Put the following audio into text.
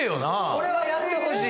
俺はやってほしい。